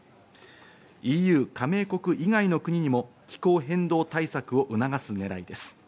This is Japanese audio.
ＥＵ加盟国以外の国にも気候変動対策を促す狙いです。